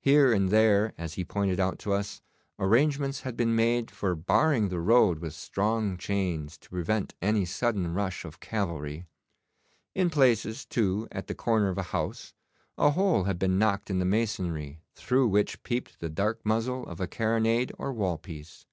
Here and there, as he pointed out to us, arrangements had been made for barring the road with strong chains to prevent any sudden rush of cavalry. In places, too, at the corner of a house, a hole had been knocked in the masonry through which peeped the dark muzzle of a carronade or wall piece.